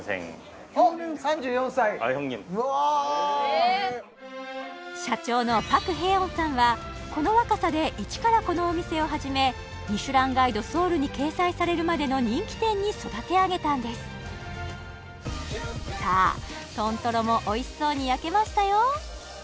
うわあ！社長のパク・ヘヨンさんはこの若さで一からこのお店を始めミシュランガイドソウルに掲載されるまでの人気店に育て上げたんですさあ豚トロもおいしそうに焼けましたよ